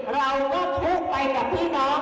เราก็ทุกข์ไปกับพี่น้อง